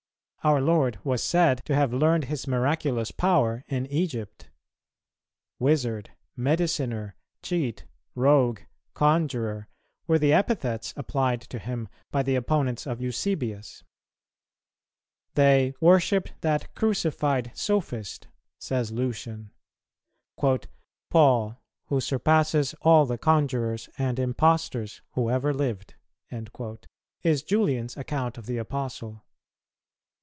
Our Lord was said to have learned His miraculous power in Egypt; "wizard, mediciner, cheat, rogue, conjurer," were the epithets applied to Him by the opponents of Eusebius;[229:2] they "worship that crucified sophist," says Lucian;[229:3] "Paul, who surpasses all the conjurers and impostors who ever lived," is Julian's account of the Apostle.